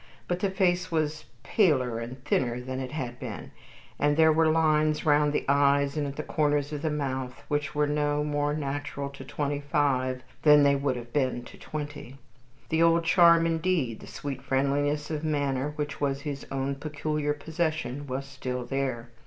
But the face was paler and thinner than it had been, and there were lines round the eyes and at the corners of the mouth which were no more natural to twenty five than they would have been to twenty. The old charm indeed the sweet friendliness of manner, which was his own peculiar possession was still there.